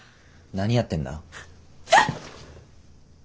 何やってんだ？